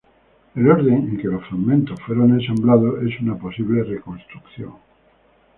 El orden en que los fragmentos fueron ensamblados es una posible reconstrucción.